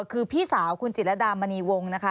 คือพี่สาวคุณจิตรดามณีวงนะคะ